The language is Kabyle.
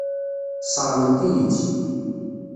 Sseṛɣent-iyi-tt.